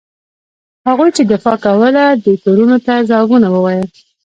هغوی چې دفاع کوله دې تورونو ته ځوابونه وویل.